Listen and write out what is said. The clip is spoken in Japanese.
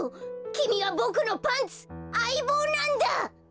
きみはボクのパンツあいぼうなんだ！